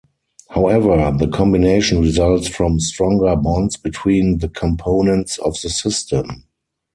However, the combination results from stronger bonds between the components of the system.